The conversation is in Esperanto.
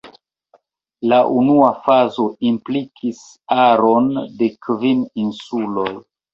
La unua fazo implikis aron de kvin insuloj.